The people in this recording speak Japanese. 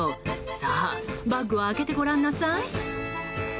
さあバッグを開けてごらんなさい。